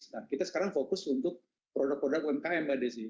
nah kita sekarang fokus untuk produk produk umkm mbak desi